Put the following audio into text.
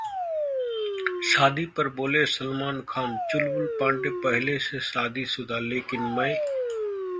शादी पर बोले सलमान खान, चुलबुल पांडे पहले से शादीशुदा, लेकिन मैं...